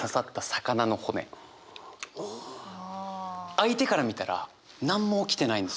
相手から見たら何も起きてないんです。